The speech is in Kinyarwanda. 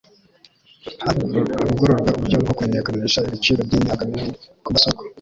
havugururwe uburyo bwo kumenyekanisha ibiciro by'imyaka n'ibindi ku masoko